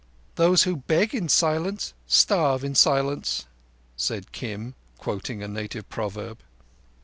"Those who beg in silence starve in silence," said Kim, quoting a native proverb.